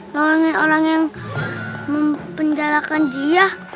tolongin orang yang mempenjarakan jiah